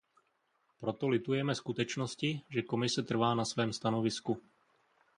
Proto litujeme skutečnosti, že Komise trvá na svém stanovisku.